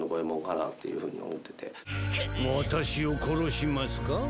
私を殺しますか？